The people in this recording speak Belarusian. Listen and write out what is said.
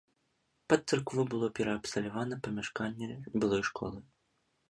Пад царкву было пераабсталявана памяшканне былой школы.